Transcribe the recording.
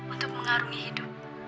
untuk mengarungi hidup